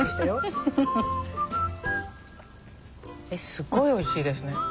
えっすっごいおいしいですね。